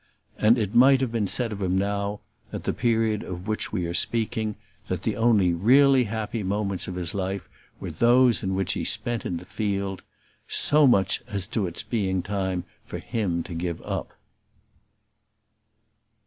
And it might have been said of him now, at the period of which we are speaking, that the only really happy moments of his life were those which he spent in the field. So much as to its being time for him to give up.